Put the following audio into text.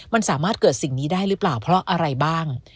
มันสามารถเกิดสิ่งนี้ได้หรือเปล่าเพราะอะไรบ้าง